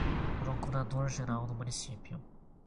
procurador-geral do Município